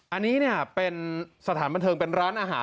อันนี้เป็นสถานบรรเทิงเป็นร้านอาหาร